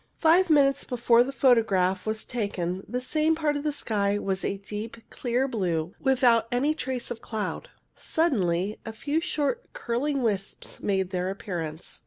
Five minutes before the photograph was taken the same part of the sky was a deep, clear blue, without any trace of cloud. Suddenly a few short curling wisps made their appearance.